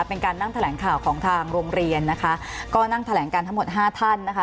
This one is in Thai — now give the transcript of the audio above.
เป็นการนั่งแถลงข่าวของทางโรงเรียนนะคะก็นั่งแถลงกันทั้งหมดห้าท่านนะคะ